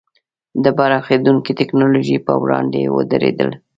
د پراخېدونکې ټکنالوژۍ پر وړاندې ودرېدل.